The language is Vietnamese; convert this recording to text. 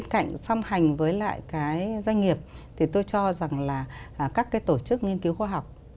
cạnh xâm hành với lại cái doanh nghiệp thì tôi cho rằng là các cái tổ chức nghiên cứu khoa học